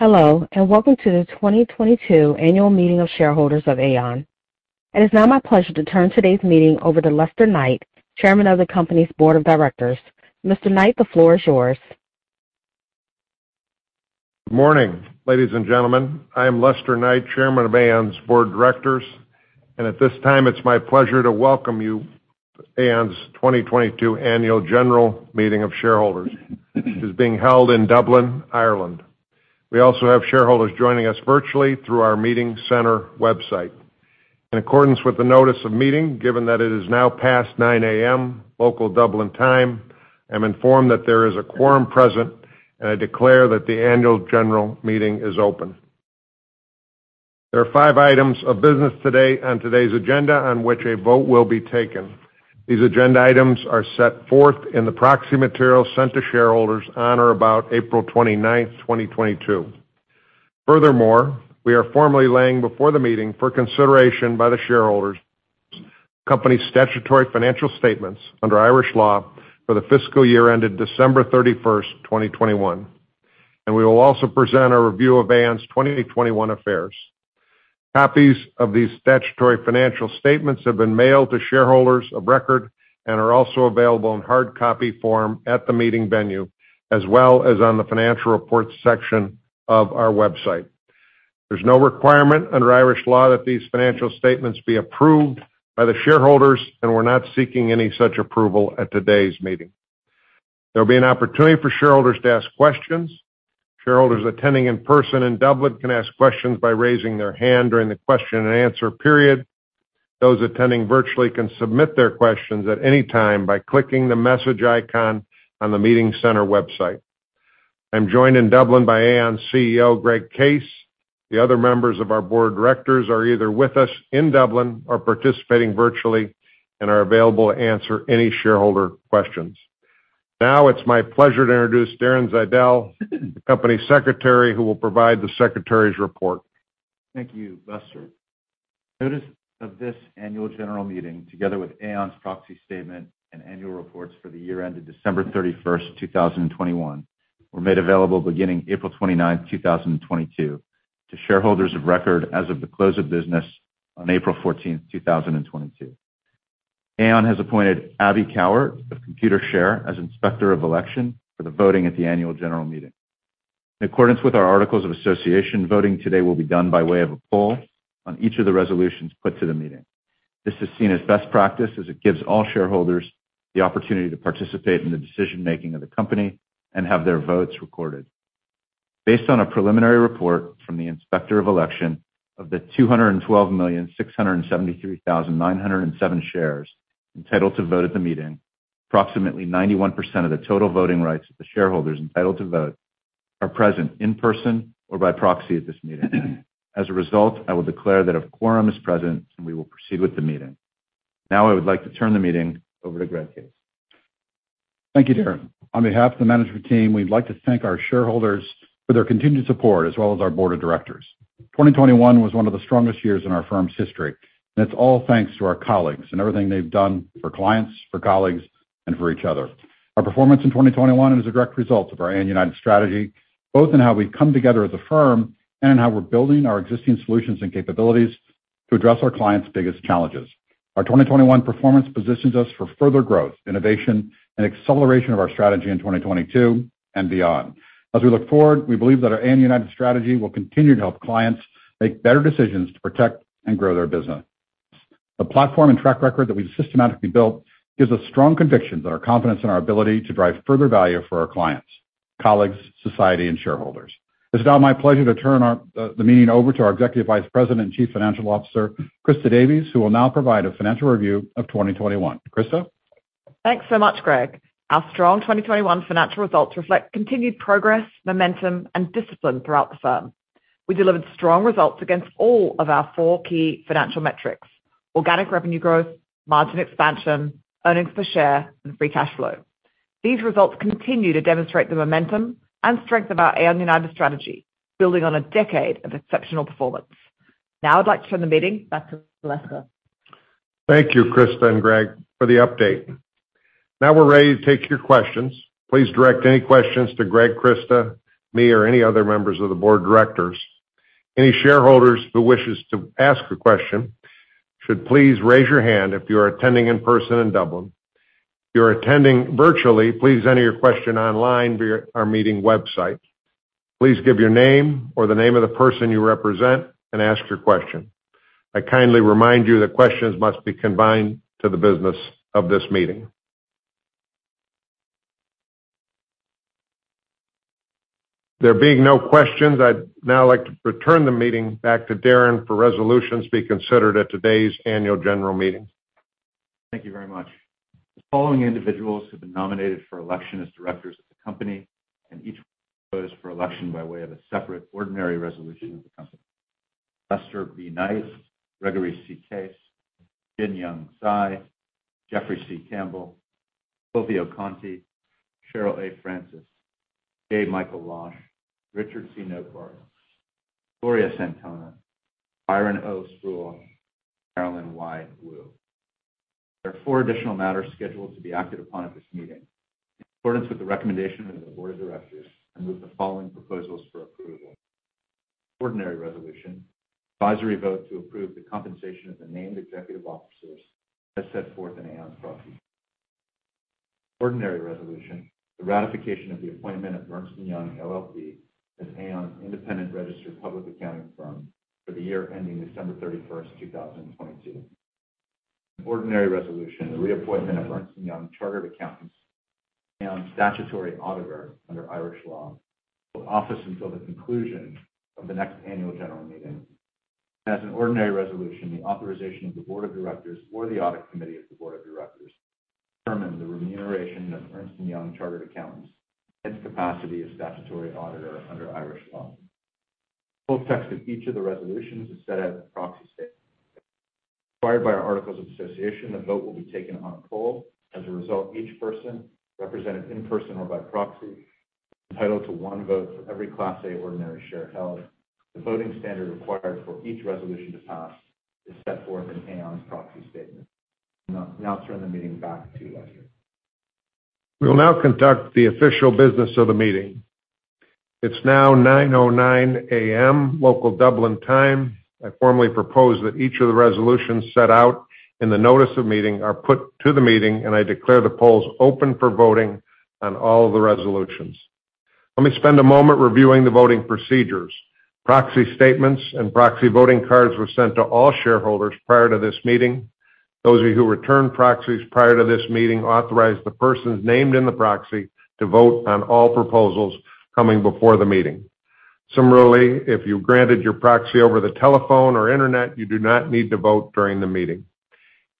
Hello, and welcome to the 2022 Annual Meeting of Shareholders of Aon. It is now my pleasure to turn today's meeting over to Lester Knight, Chairman of the company's Board of Directors. Mr. Knight, the floor is yours. Good morning, ladies and gentlemen. I am Lester B. Knight, Chairman of Aon's Board of Directors. At this time, it's my pleasure to welcome you to Aon's 2022 Annual General Meeting of Shareholders, which is being held in Dublin, Ireland. We also have shareholders joining us virtually through our meeting center website. In accordance with the notice of meeting, given that it is now past 9:00 A.M., local Dublin time, I'm informed that there is a quorum present, and I declare that the annual general meeting is open. There are five items of business today on today's agenda on which a vote will be taken. These agenda items are set forth in the proxy material sent to shareholders on or about April 29th, 2022. Furthermore, we are formally laying before the meeting for consideration by the shareholders the company's statutory financial statements under Irish law for the fiscal year ended December 31st, 2021. We will also present a review of Aon's 2021 affairs. Copies of these statutory financial statements have been mailed to shareholders of record and are also available in hard copy form at the meeting venue, as well as on the financial reports section of our website. There's no requirement under Irish law that these financial statements be approved by the shareholders, and we're not seeking any such approval at today's meeting. There'll be an opportunity for shareholders to ask questions. Shareholders attending in person in Dublin can ask questions by raising their hand during the question and answer period. Those attending virtually can submit their questions at any time by clicking the message icon on the meeting center website. I'm joined in Dublin by Aon's CEO, Greg Case. The other members of our Board of Directors are either with us in Dublin or participating virtually and are available to answer any shareholder questions. Now it's my pleasure to introduce Darren Zeidel, the company's secretary, who will provide the secretary's report. Thank you, Lester. Notice of this annual general meeting, together with Aon's proxy statement and annual reports for the year ended December 31st, 2021, were made available beginning April 29th, 2022 to shareholders of record as of the close of business on April 14, 2022. Aon has appointed Abby Cowart of Computershare as Inspector of Election for the voting at the annual general meeting. In accordance with our articles of association, voting today will be done by way of a poll on each of the resolutions put to the meeting. This is seen as best practice as it gives all shareholders the opportunity to participate in the decision-making of the company and have their votes recorded. Based on a preliminary report from the Inspector of Election of the 212,673,907 shares entitled to vote at the meeting, approximately 91% of the total voting rights of the shareholders entitled to vote are present in person or by proxy at this meeting. As a result, I will declare that a quorum is present, and we will proceed with the meeting. Now I would like to turn the meeting over to Greg Case. Thank you, Darren. On behalf of the management team, we'd like to thank our shareholders for their continued support as well as our board of directors. 2021 was one of the strongest years in our firm's history. It's all thanks to our colleagues and everything they've done for clients, for colleagues, and for each other. Our performance in 2021 is a direct result of our Aon United strategy, both in how we've come together as a firm and in how we're building our existing solutions and capabilities to address our clients' biggest challenges. Our 2021 performance positions us for further growth, innovation, and acceleration of our strategy in 2022 and beyond. As we look forward, we believe that our Aon United strategy will continue to help clients make better decisions to protect and grow their business. The platform and track record that we've systematically built gives us strong conviction that our confidence in our ability to drive further value for our clients, colleagues, society, and shareholders. It's now my pleasure to turn the meeting over to our Executive Vice President and Chief Financial Officer, Christa Davies, who will now provide a financial review of 2021. Christa? Thanks so much, Greg. Our strong 2021 financial results reflect continued progress, momentum, and discipline throughout the firm. We delivered strong results against all of our four key financial metrics, organic revenue growth, margin expansion, earnings per share, and free cash flow. These results continue to demonstrate the momentum and strength of our Aon United strategy, building on a decade of exceptional performance. Now I'd like to turn the meeting back to Lester. Thank you, Christa and Greg, for the update. Now we're ready to take your questions. Please direct any questions to Greg, Christa, me, or any other members of the board of directors. Any shareholders who wish to ask a question should please raise your hand if you are attending in person in Dublin. If you are attending virtually, please enter your question online via our meeting website. Please give your name or the name of the person you represent and ask your question. I kindly remind you that questions must be confined to the business of this meeting. There being no questions, I'd now like to return the meeting back to Darren for resolutions to be considered at today's annual general meeting. Thank you very much. The following individuals have been nominated for election as directors of the company, and each votes for election by way of a separate ordinary resolution of the company. Lester B. Knight, Gregory C. Case, Jin-Yong Cai, Jeffrey C. Campbell, Fulvio Conti, Cheryl A. Francis, J. Michael Losh, Richard C. Notebaert, Gloria Santona, Byron O. Spruell, Carolyn Y. Woo. There are four additional matters scheduled to be acted upon at this meeting. In accordance with the recommendation of the Board of Directors, I move the following proposals for approval. Ordinary resolution, advisory vote to approve the compensation of the named executive officers as set forth in Aon's proxy. Ordinary resolution, the ratification of the appointment of Ernst & Young LLP as Aon's independent registered public accounting firm for the year ending December 31st, 2022. Ordinary resolution, the reappointment of Ernst & Young Chartered Accountants and statutory auditor under Irish law, will hold office until the conclusion of the next annual general meeting. As an ordinary resolution, the authorization of the Board of Directors or the audit committee of the Board of Directors to determine the remuneration of Ernst & Young Chartered Accountants, in its capacity as statutory auditor under Irish law. Full text of each of the resolutions is set forth in the proxy statement. Required by our articles of association, the vote will be taken on a poll. As a result, each person represented in person or by proxy is entitled to one vote for every Class A Ordinary Share held. The voting standard required for each resolution to pass is set forth in Aon's proxy statement. I'll now turn the meeting back to Lester Knight. We will now conduct the official business of the meeting. It's now 9:09 A.M., local Dublin time. I formally propose that each of the resolutions set out in the notice of meeting are put to the meeting, and I declare the polls open for voting on all the resolutions. Let me spend a moment reviewing the voting procedures. Proxy statements and proxy voting cards were sent to all shareholders prior to this meeting. Those of you who returned proxies prior to this meeting authorized the persons named in the proxy to vote on all proposals coming before the meeting. Similarly, if you granted your proxy over the telephone or internet, you do not need to vote during the meeting.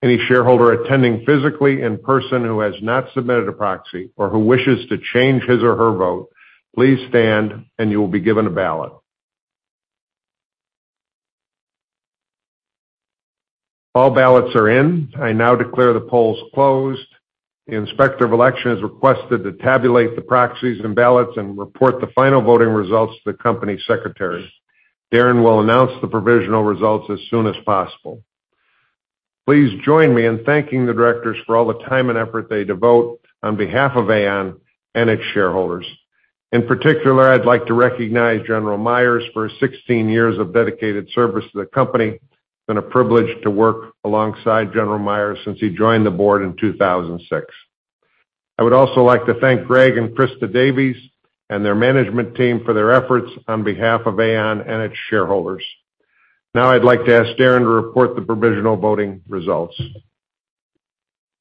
Any shareholder attending physically in person who has not submitted a proxy or who wishes to change his or her vote, please stand and you will be given a ballot. All ballots are in. I now declare the polls closed. The inspector of election has requested to tabulate the proxies and ballots and report the final voting results to the company secretary. Darren will announce the provisional results as soon as possible. Please join me in thanking the directors for all the time and effort they devote on behalf of Aon and its shareholders. In particular, I'd like to recognize General Myers for 16 years of dedicated service to the company. It's been a privilege to work alongside General Myers since he joined the board in 2006. I would also like to thank Greg and Christa Davies and their management team for their efforts on behalf of Aon and its shareholders. Now I'd like to ask Darren to report the provisional voting results.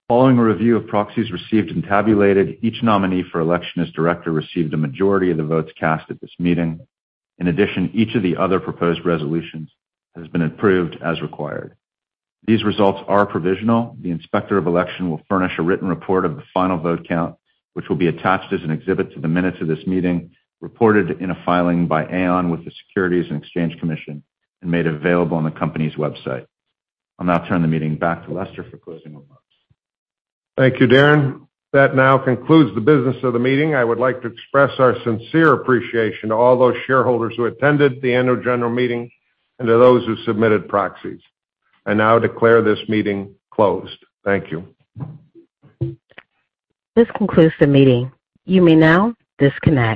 Following a review of proxies received and tabulated, each nominee for election as director received a majority of the votes cast at this meeting. In addition, each of the other proposed resolutions has been approved as required. These results are provisional. The inspector of election will furnish a written report of the final vote count, which will be attached as an exhibit to the minutes of this meeting, reported in a filing by Aon with the Securities and Exchange Commission and made available on the company's website. I'll now turn the meeting back to Lester for closing remarks. Thank you, Darren. That now concludes the business of the meeting. I would like to express our sincere appreciation to all those shareholders who attended the annual general meeting and to those who submitted proxies. I now declare this meeting closed. Thank you. This concludes the meeting. You may now disconnect.